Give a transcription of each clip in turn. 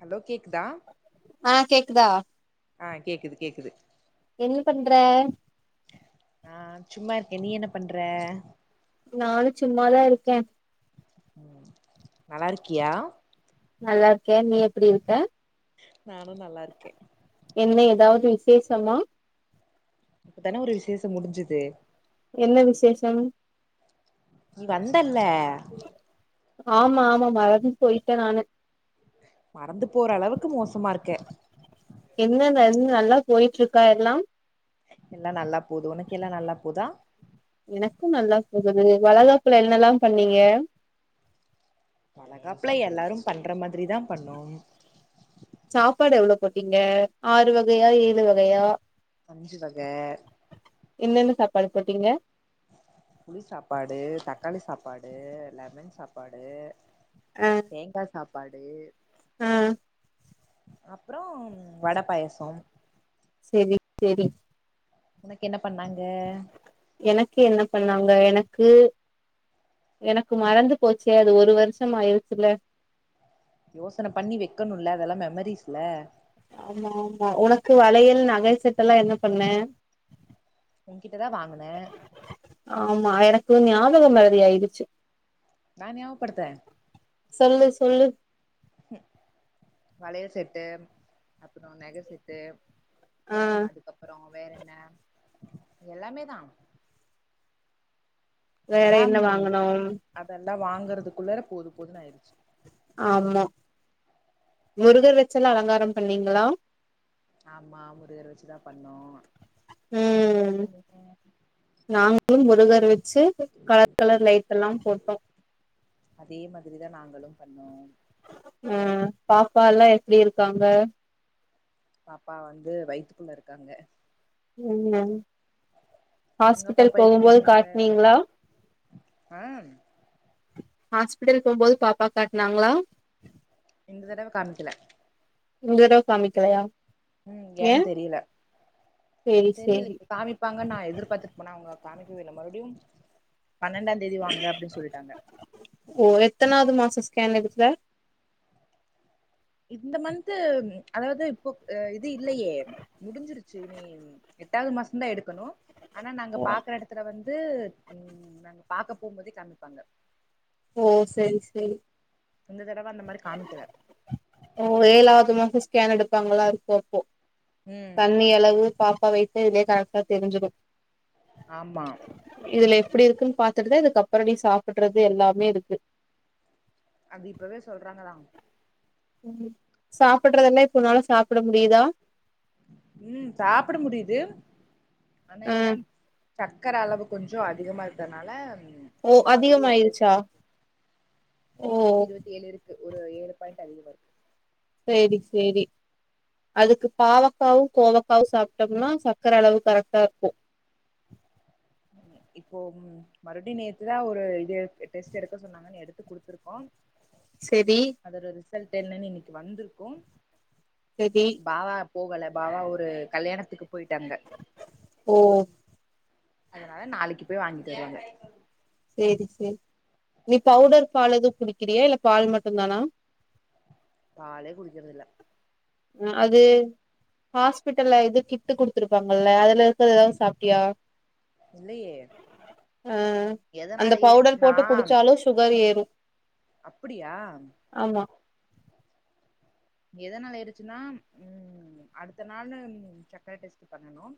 Hello கேக்குதா ஆ கேக்குதா ஆஹ் கேக்குது கேக்குது என்ன பண்ற ஆஹ் சும்மா இருக்கேன் நீ என்ன பண்ற நானும் சும்மாதான் இருக்கேன் உம் நல்லா இருக்கியா நல்லா இருக்கேன் நீ எப்டி இருக்க நானும் நல்லா இருக்கே சேஷமா இப்பதானே ஒரு விசேஷம் முடிஞ்சுது என்ன விசேஷம் நீ வந்தல்ல ஆமா ஆமா மறந்து போயிட்டே நானு மறந்து போற அளவுக்கு மோசமா இருக்க என்ன என் நல்லா போயிட்டு இருக்கா எல்லாம் எல்லாம் நல்லா போது உனக்கெல்லாம் நல்லா போதா எனக்கு நல்லா போகுது வளகாப்புல என்னல்லாம் பண்ணீங்க வளகாப்புல எல்லாரும் பண்ற மாதிரி தான் பண்ணும் சாப்பாடு எவ்வளவு போட்டீங்க ஆறு வகயா ஏழு வகயா அஞ்சு வக பாடு போட்டீங்க புளி சாப்பாடு தக்காளி சாப்பாடு லெமன் சாப்பாடு தேங்கா சாப் படு ஆஹ் அப்றம் வடப்பாயசம் சேரி சேரி ஒனக் என்னப் பண்ணாங்க எனக்கு என்ன பண்ணாங்க எனக்கு எனக்கு மறந்து போச்சே அது ஒரு வருஷம் ஆய்ர்ச்சுல யோசன பண்ணி வக்கணுல அதெலா மெமரிஸ்ல ஆமா ஆமா உனக்கு வளயல் நக செட் எல்லா என்ன பண்ண உன்கிட்டதா வாங்னே ஆமா எனக்கு ஞாபகம் மரதி ஆயிடுச்சு நா ஞாபடுத்ரே சொல்லு சொல்லு வளயல் செட்டு அப்பற நக செட்டு ஆ அதுக்கப்பறம் வேற என்ன எல்லாமே தா வேற அதெலாம் என்ன வாங்கனோ அதெல்லா வாங்கறதுக்குள்ள போது பொன்ன ஆயிர்ச் ஆமா முருகர் வச்சல்லா அலங்கார பண்ணீங்ளா ஆமா முருகர் வச்சுதா பண்ணோ நீங்க என்ன ம் பண்ணீங்க சேம்ப் கலர் கலர் லைட் எல்லா போட்டோ பன்னோம் ம் பாப்பா எல்லா எப்டி இருக்காங்க பாப்பா வந்து வய்த்துகுள்ள இருக்காங்க உம் அங்க ஹாஸ்பிட்டல் போகும்போது காட்டனீங்களா ஹம் ஹாஸ்பிட்டல் போகும்போது பாப்பா காட்னாங்களா இந்த தடவ காமிக்ல இந்தடவ காமிக்ல உம் ஏன்னு தெரியல சேரி தெரில சேரி காமிப்பாங்க நான் எதிர்பார்த்ட்டு போனா அவங்க காமிக்கவில மறுடியும் பன்னெண்டா தேதி வாங்க அப்டின்னு சொல்லிட்டாங்க சி ஸ்கேன் எடுகுத இந்த மந்த் அதாவது இப்போ இது இல்லயே முடிஞ்சிருச்சி இனி எட்டாவது மாச தா எடுக்கணு ஆனா நாங்க பாக்குற எடத்துல வந்து உம் நாங்க பாக்க போகு போது ஓ சேரி சேரி இந்த தடவ அந்த மாரி காமிக்கல ஓ ஏழாவது மாசம் ஸ்கேன் எடுப்பாங்கள அதுகு எடுபோ ம் தண்ணி அளவு பாப் அப்ப வெய்ட் இதிலே கணக்கா தெரிஞ்சுடும் ஆம்மா எப்படி இருக்குன்னு பாத்துட்டு இதுக்கு அப்புற நீ சாப்பிடுறது எல்லாமே இருக்கு அது அபவே சொல்றாங்கதான் சாப்படுறதுல்லாம் இப்போனால சாப்பிட முடியுதா ம் சாபிட முடியுது ஆனா ஆ என்ன சக்கர அளவு கொஞ்ச அதிகமா இருந்தனால ஓ அதிகம ஆயிருச்சா ஓ நூத்தி இருவத்தி ஏழு இருக்கு ஒரு ஏழு பாயிண்ட் அதிகம இருக்கும் செரி செரி அதுக்கு பாவக்காவும் கோவக்காவும் சாப்டமன சர்க்கரை அளவு கரெக்டா இருக்கும் இப்போ மறுபடியும் நேத்துதான் ஒரு இது டெஸ்ட் எடுக்க சொன்னாங்கன்னு எடுத்து குடுத்துருக்கோம் செரி ரிசல்ட் என்னன்னு இன்னைக்கு வந்திருக்கும் செரி பாவாப் போகல பாவா ஒரு கல்யாணுத்துக்கு. போயிடாங்க. ஓ அதனால நாளைக்கு போய் வாங்கிட்டு வருவாங்க. சேரி சேரி நீ பவுடர் பால் எதுவும் குடிக்கிறியா இல்ல பால் மட்டும் தானா. பாலே குடிக்குறதுயில்லா. அது ஹாஸ்பிட்டல்ல இது கிட்டு குடுத்துருப்பாங்கல அதுல இருக்கது எதாவது சாப்ட்டியா. இல்லயே. ஆ அந்த பவுடர் போட்டு குடிச்சாலும் சுகர். அது ஏறு. அப்படியா. ஆமா எதனாள ஏரிச்சுனா உஹம் அடுத்த நாளு சக்கர டெஸ்ட் பண்ணனும்.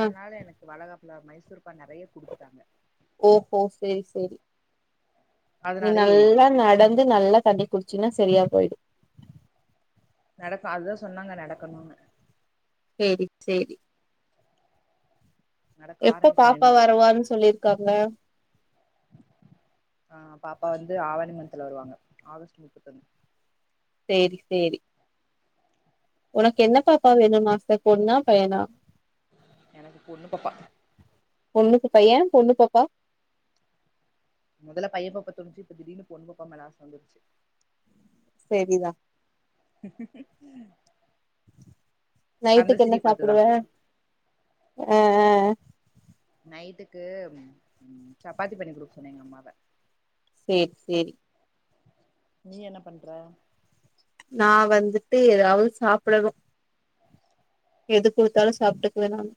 ஆ நாளு எனக்கு வளகாப். இல்ல மைசூர். ஓஹோ சேரி சேரி. நீ அதனாலயே ஏறிடுச்சு நல்லா நடந்து நல்லா தண்ணி. குடிச்சின்னா சரியா போயிடு. நடக்க அதுதா சொன்னாங்க நடக்கனுன்னு. சேரி சேரி. நடக்க எப்ப ஆரம்பிக்கணு பாப்பா இன்னைல வருரவான்னு சொல்லிருக்காங்க. ஆஹ பாப்பா வந்து ஆவணி மந்துல வருவாங்க ஆகஸ்ட் முப்பத்தொன்னு. சேரி சேரி. உனக்கு என்ன பாப்பா வேணும் மாஸ்டர். பொண்ணா பையனா. எனக்கு பொண்ணு பாப்பா. பொண்ணு பாப்பா ஏ பொண்ணு பாப்பா. முதல்ல பைய பாப்பா தோணுச்சு இப்ப திடீருன்னு பொண்ணு பாப்பா மேல ஆச வந்துருச்சு. சேரிதா. கந்த நைட்டுக்கு சீரி என்ன பாத்துதா சாப்பிடுவ அஹஹேஹ. நைட்டுக்கு உம் சப்பாத்தி பண்ணி குடுக்க சொன்ன எங்க அம்மாவ. சேரி சேரி நீ என்ன பண்ற. நா வந்துட்டு ஏதாவது சாப்புடணு. எது குடுத்தாலும் சாப்ட்டுக்குவ நானு.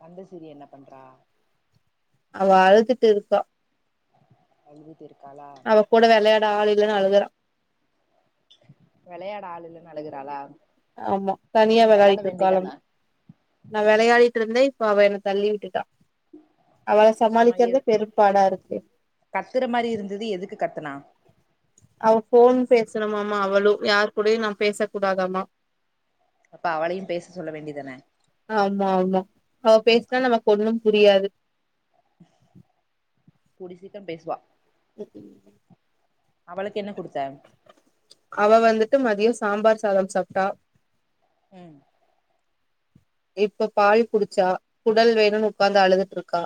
கந்தசிரி என்ன பண்றா. அவ அழுதுட்டு இருக்கா. அழுதுட்டு இருக்காளா அவ கூட விளையாட ஆள் இல்லைன்னு அழுகுறா. விளையாட ஆளுல்லைன்னு அழுகுறாளா. ஆமா தனியா நீ வெளாட விளையாடிட்டு இருக்காலாம். வேண்டிதான நா விளையாடிட்டு இருந்தே. இப்ப அவ என்னை தள்ளி விட்டுட்டா அவளை ஆமா எ சமாளிக்கிறது பெரும்பாடா இருக்கு கத்துற மாதிரி இருந்தது எதுக்கு கத்துனா அவ போன் பேசனுமாமா அவளும் யார் கூடம் நான் பேச கூடாதாமா அப்ப அவளையும் பேச சொல்ல வேண்டியதானே ஆமா ஆமா அவ பேசுனா நமக்கு ஒண்ணும் புரியாது கூடிய சீக்கிரம் பேசுவா உஹம் உம் அவளுக்கு என்ன கொடுத்தா அவ வந்துட்டு மதியம் சாம்பார் சாதம் சாப்பிட்டா உம் இப்ப பால் குடிச்சா குடல் வேணும்னு உட்கார்ந்து அழுதுட்டு இருக்கா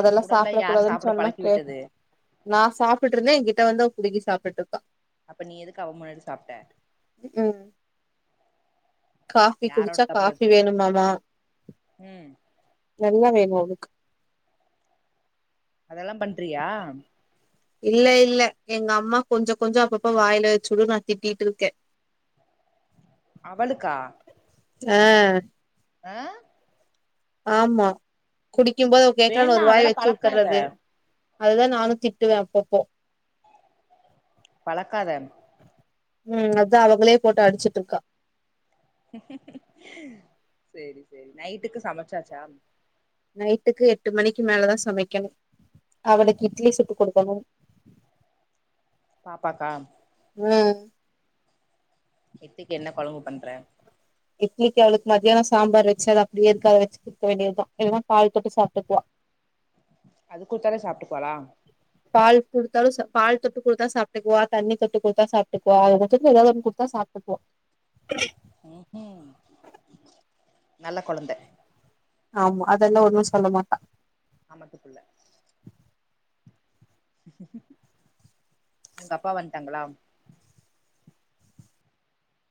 அதெல்லாம் குடல்ல சாப்பிட யார் கூடாதுன்னு சாப்ட சொன்னே பழக்கி கே விட்டது நான் சாப்பிட்டு இருந்தேன் இங்க புடுங்கி சாப்டுட்டு இருக்கா அப்ப நீ எதுக்கு அவ முன்னாட்டு சாப்பிட்ட உம் காபி யாரோட குடிச்சா தப்பு காபி அது வேணுமாமா ம் நல்லா வேணும் என அதெல்லாம் பண்றியா இல்ல இல்ல எங்க அம்மா கொஞ்சம் கொஞ்சம் அப்பப்ப வாயில வச்சுடு நான் திட்டிட்டு இருக்கேன் அவளுக்கா ஆஹ் ஆஹ் ஆமா குடி குடிக்கும் போது அவ கேட்கறான்னு வேணா ஒரு வாய் அதெல்லா வச்சு பழக்காத விட்டுர்றது அதுதான் நானும் திட்டுவேன்ப்பப்போ பழக்காத உஹம் அதான் அவங்களே போட்டு அடிச்சுட்டு இருக்கா இம் இம்சும் சரி சரி நைட்டுக்கு சமைச்சாச்சா நைட்டுக்கு எட்டு மணிக்கு மேலதான் சமைக்கணும் அவனுக்கு இட்லி சுட்டு கொடுக்கணும் பாப்பாக்கா உஹம் கிருத்துக்கு என்ன குழங்கு பண்ற இட்லிக்கு அவளுக்கு மத்தியானம் சாம்பார் வச்சு அதது அப்படியே இருக்க அதை வச்சு குடுக்க வேண்டியதுதான் இல்லான காய் தொட்டு சாப்பிட்டுக்குவா அது குடுத்தாலே சாப்பிட்டுக்குவாளா பால் கொடுத்தாலும் பால் தொட்டு கொடுத்தா சாப்பிட்டுக்குவா தண்ணி தொட்டு கொடுத்தா சாப்பிட்டுக்குவா அது ஏதாவது கொடுத்தா சாப்பிட்டுக்குவா உம் உம் நல்ல குழந்தை ஆமா அதெல்லாம் ஒண்ணும் சொல்ல மாட்டா ஆமத்துக்குள்ள அவங்க அப்பா வந்துட்டாங்களா